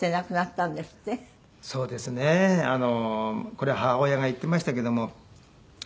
これは母親が言っていましたけども。